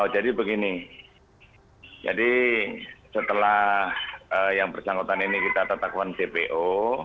jadi begini setelah yang bersangkutan ini kita tetap kawan tpo